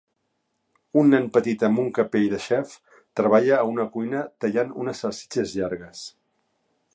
Un nen petit amb un capell de xef treballa a una cuina tallant unes salsitxes llargues